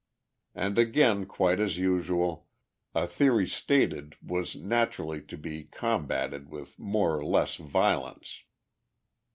And, again quite as usual, a theory stated was naturally to be combated with more or less violence.